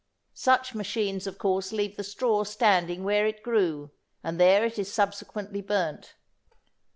Such machines of course leave the straw standing where it grew, and there it is subsequently burnt.